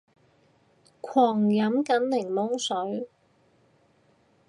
狂飲緊檸檬水